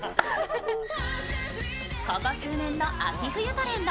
ここ数年の秋冬トレンド。